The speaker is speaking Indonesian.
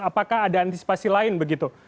apakah ada antisipasi lain begitu